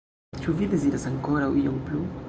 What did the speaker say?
Ĉu vi deziras ankoraŭ ion plu?